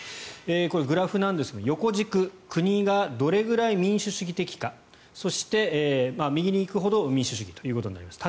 これはグラフなんですが横軸国がどれくらい民主主義的か右に行くほど民主主義ということになります。